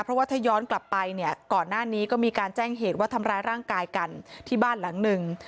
เพราะว่าถ้าย้อนกลับไปเนี่ยก่อนหน้านี้ก็มีการแจ้งเหตุว่าทำร้ายร่างกายกันที่บ้านหลังหนึ่ง